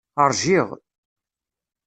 Ṛjiɣ.